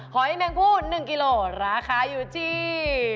หอยแมงพู่๑กิโลราคาอยู่ที่